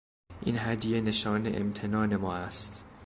این هدیه نشان امتنان ما است.